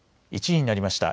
１時になりました。